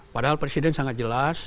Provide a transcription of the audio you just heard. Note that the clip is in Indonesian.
padahal presiden sangat jelas